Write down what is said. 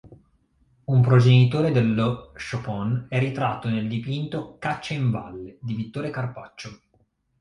Un progenitore dello s'ciopon è ritratto nel dipinto "Caccia in valle" di Vittore Carpaccio.